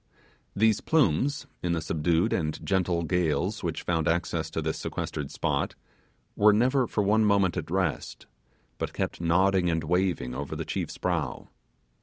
These plumes, in the subdued and gentle gales which found access to this sequestered spot, were never for one moment at rest, but kept nodding and waving over the chief's brow.